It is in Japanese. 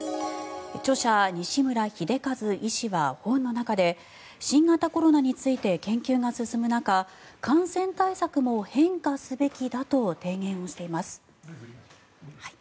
著者・西村秀一医師は本の中で新型コロナについて研究が進む中感染対策も変化すべきだと提言をしています。